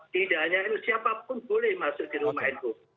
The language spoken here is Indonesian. tidak hanya itu siapapun boleh masuk di rumah nu